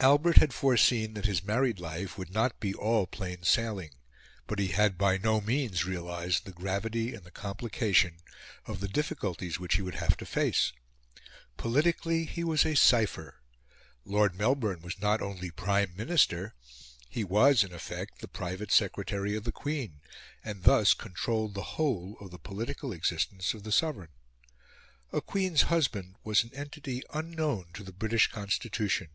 III Albert had foreseen that his married life would not be all plain sailing; but he had by no means realised the gravity and the complication of the difficulties which he would have to face. Politically, he was a cipher. Lord Melbourne was not only Prime Minister, he was in effect the Private Secretary of the Queen, and thus controlled the whole of the political existence of the sovereign. A queen's husband was an entity unknown to the British Constitution.